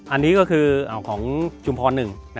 อันนี้ก็คือของจุมพร๑